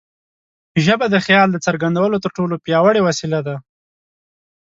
ژبه د خیال د څرګندولو تر ټولو پیاوړې وسیله ده.